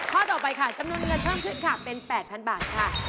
ข้อต่อไปค่ะจำนวนรับท่องขึ้นเป็น๘๐๐๐บาทค่ะ